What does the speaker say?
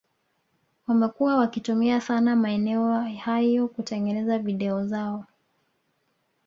wamekuwa wakitumia sana maeneo ya hayo kutengeneza video zao